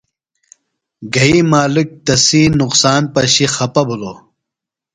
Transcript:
گھئی مالِک تسی نقصان پشیۡ خپہ بِھلوۡ۔